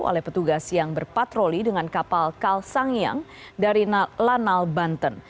oleh petugas yang berpatroli dengan kapal kalsangiang dari lanal banten